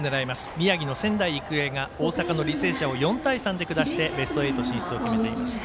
宮城の仙台育英が大阪の履正社を４対３で下してベスト８進出決めています。